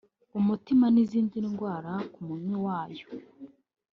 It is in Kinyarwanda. umutima n’izindi ndwara ku munywi wayo